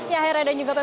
ya herada juga pak